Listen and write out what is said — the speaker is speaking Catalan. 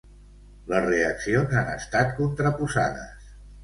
Les reaccions han estat contraposades.